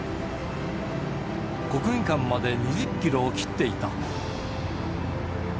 国技館まで２０キロを切っていた。